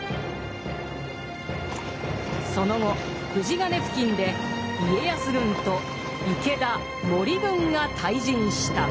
その後富士ヶ根付近で家康軍と池田・森軍が対陣した。